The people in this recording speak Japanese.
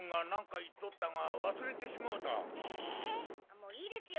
もういいですよ